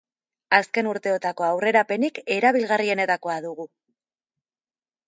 Azken urteotako aurrerapenik erabilgarrienetakoa dugu.